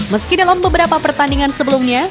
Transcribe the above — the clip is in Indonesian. meski dalam beberapa pertandingan sebelumnya